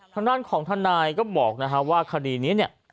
ทางด้านของทนายก็บอกนะฮะว่าคดีนี้เนี่ย